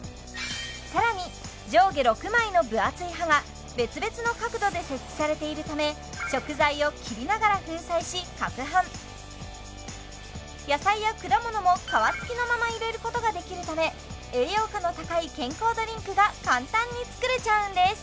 更に上下６枚の分厚い刃が別々の角度で設置されているため野菜や果物も皮付きのまま入れることができるため栄養価の高い健康ドリンクが簡単に作れちゃうんです